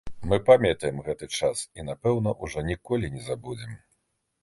Мы памятаем гэты час і, напэўна, ужо ніколі не забудзем.